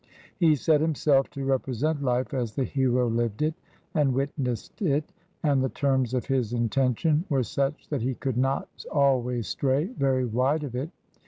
He set himself to represent hfe as the hero lived it and witnessed it, and the terms of his intention were such that he could not always stray very wide of it.